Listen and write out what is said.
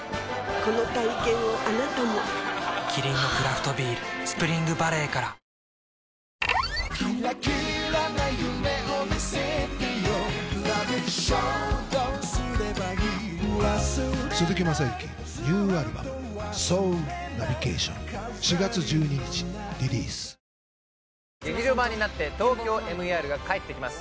この体験をあなたもキリンのクラフトビール「スプリングバレー」から劇場版になって「ＴＯＫＹＯＭＥＲ」が帰ってきます